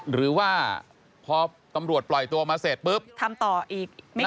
หรือว่าพอตำรวจปล่อยตัวมาเสร็จปุ๊บทำต่ออีก